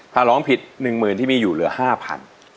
ถ้าร้องผิด๑หมื่นที่มีอยู่เหลือ๕พัน